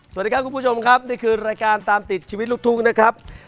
สวัสดีครับคุณผู้ชมครับนี่คือรายการตามติดชีวิตลูกทุ่งนะครับ